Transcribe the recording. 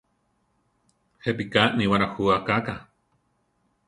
¿Jepíka níwara jú akáka?